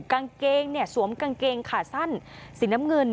กางเกงเนี่ยสวมกางเกงขาสั้นสีน้ำเงิน